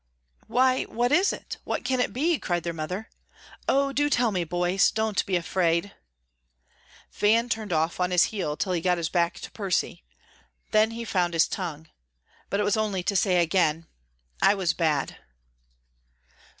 "Why, what is it? What can it be?" cried their mother. "Oh, do tell me, boys; don't be afraid." Van turned off on his heel till he got his back to Percy. Then he found his tongue. But it was only to say again, "I was bad."